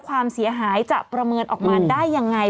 ความเสียหายจะประเมินออกมาได้ยังไง